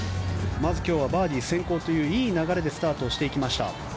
まず今日はバーディー先行といういい流れでスタートをしていきました。